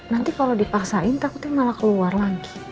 nanti kalau dipaksain takutnya malah keluar lagi